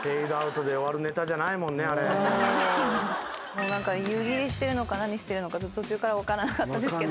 もう何か湯切りしてるのか何してるのか途中から分からなかったですけど。